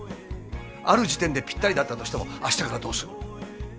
ある時点でぴったりだったとしてもあしたからどうする？